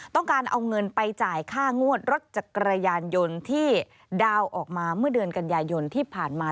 ต้องการเอาเงินไปจ่ายค่างวดรถจักรยานยนต์ที่ดาวน์ออกมาเมื่อเดือนกันยายนที่ผ่านมา